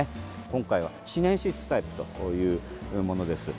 今回はシネンシスタイプというものです。